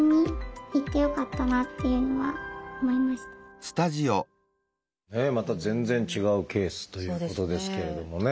あとやっぱりそのまた全然違うケースということですけれどもね。